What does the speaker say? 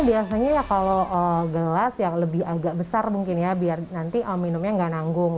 biasanya ya kalau gelas yang lebih agak besar mungkin ya biar nanti minumnya nggak nanggung